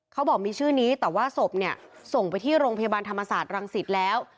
เขาบอกมีชื่อนี้แต่ว่าศพเนี่ยส่งไปที่โรงพยาบาลธรรมศาสตร์รังสิตแล้ว